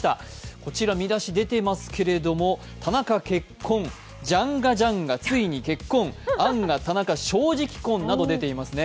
こちら見出しが出ていますけれども、田中、結婚、ジャンガジャンガついに結婚、アンガ田中、正直婚など出ていますね。